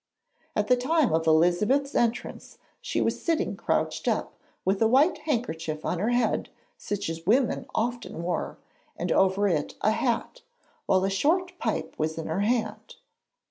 At the time of Elizabeth's entrance she was sitting crouched up, with a white handkerchief on her head such as women often wore, and over it a hat, while a short pipe was in her hand.